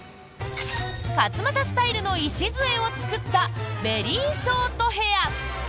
勝俣スタイルの礎を作ったベリーショートヘア。